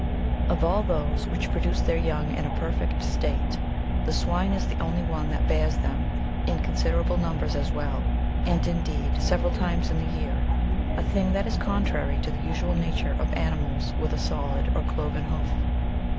(65.) Of all those which produce their young in a perfect state, the swine is the only one that bears them in consider able numbers as well ; and, indeed, several times in the year — a thing that is contrary to the usual natuje of animals with a solid or cloven hoof.